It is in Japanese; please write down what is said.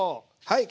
はい！